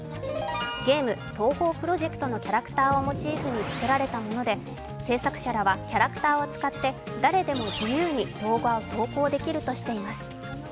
ゲーム「東方Ｐｒｏｊｅｃｔ」のキャラクターをモチーフに作られたもので、制作者らはキャラクターを使って誰でも自由に動画を投稿できるとしています。